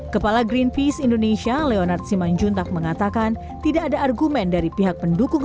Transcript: kepala greenpeace indonesia leonard simanjuntak mengatakan tidak ada argumen dari pihak pendukung